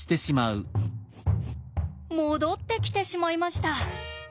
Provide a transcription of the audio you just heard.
戻ってきてしまいました！